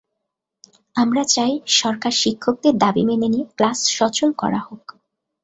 আমরা চাই, সরকার শিক্ষকদের দাবি মেনে নিয়ে ক্লাস সচল করা হোক।